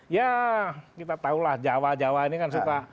ya kita tahulah jawa jawa ini kan suka